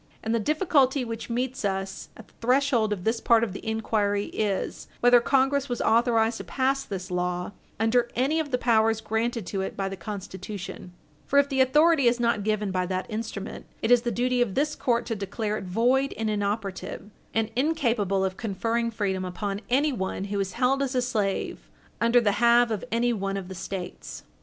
And the difficulty which meets us at the threshold of this part of the inquiry is whether Congress was authorized to pass this law under any of the powers granted to it by the Constitution; for if the authority is not given by that instrument, it is the duty of this court to declare it void and inoperative, and incapable of conferring freedom upon anyone who is held as a slave under the have of anyone of the States.